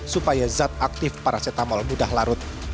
supaya zat aktif paracetamol mudah larut